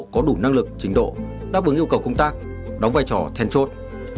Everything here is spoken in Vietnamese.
có đủ năng lực trình độ đáp ứng yêu cầu công tác đóng vai trò then chốt